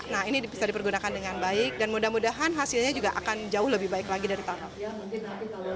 nah ini bisa dipergunakan dengan baik dan mudah mudahan hasilnya juga akan jauh lebih baik lagi dari tahun lalu